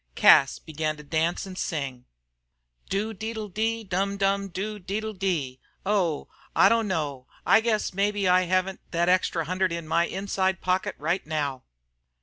Cas began to dance and sing. "Dodiddle de dum dum do diddle de. Oh! I don't know. I guess maybe I haven't that extra hundred in my inside pocket right now."